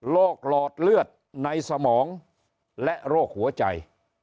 หลอดเลือดในสมองและโรคหัวใจ